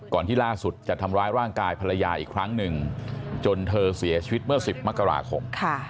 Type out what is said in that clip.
ที่ล่าสุดจะทำร้ายร่างกายภรรยาอีกครั้งหนึ่งจนเธอเสียชีวิตเมื่อ๑๐มกราคม